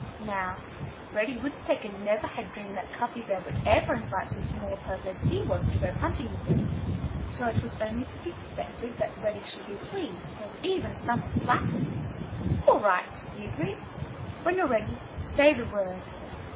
Now, Reddy Woodpecker never had dreamed that Cuffy Bear would ever invite so small a person as he was to go hunting with him. So it was only to be expected that Reddy should be pleased and even somewhat flattered. "All right!" he agreed. "When you're ready, say the word."